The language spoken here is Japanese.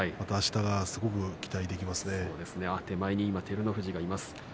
今、手前に照ノ富士がいます。